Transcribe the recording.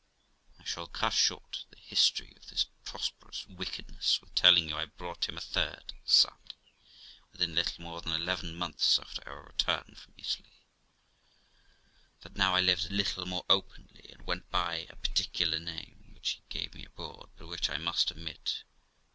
I shall cut short the history of this prosperous wickedness with telling you I brought him a third son, within little more than eleven months after our return ftom Italy ; that now I lived a little more openly, and went by a particular name, which he gave me abroad, but which I must omit, viz.